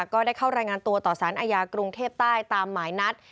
ก็ได้เข้ารายงานตัวต่อสารอาญากรุงเทพใต้ตามหมายนัด